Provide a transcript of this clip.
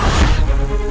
aku mau ke rumah